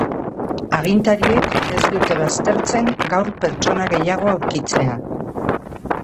Agintariek ez dute baztertzen gaur pertsona gehiago aurkitzea.